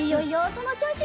そのちょうし。